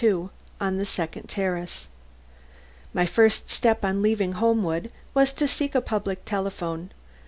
XXII ON THE SECOND TERRACE My first step on leaving Homewood was to seek a public telephone.